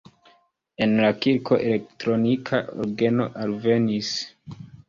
En la kirko elektronika orgeno alvenis.